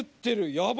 やば！